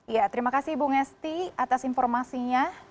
iya terima kasih bu westi atas informasinya